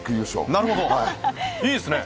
なるほど、いいですね！